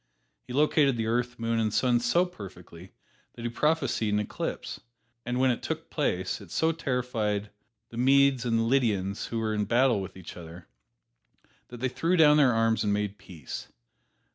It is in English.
He located the earth, moon and sun so perfectly that he prophesied an eclipse, and when it took place it so terrified the Medes and the Lydians, who were in battle with each other, that they threw down their arms and made peace.